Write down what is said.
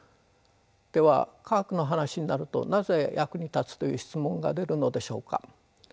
では科学の話になるとなぜ役に立つという質問が出るのでしょうか？